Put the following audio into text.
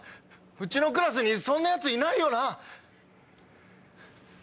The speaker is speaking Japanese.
うちのクラスにそんな奴いないよな？